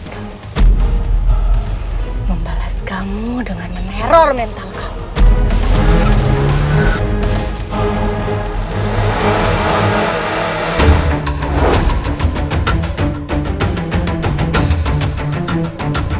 kamu ngapain siang siang di luar kayak gini